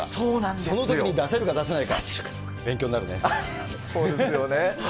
そのときに出せるか出せないか、そうですよね。